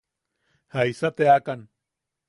¿Jaisa teakan?